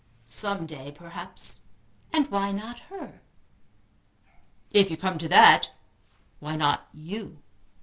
"Some day, perhaps." "And why not her?" "If you come to that, why not you?"